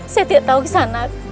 saya tidak tahu kisanak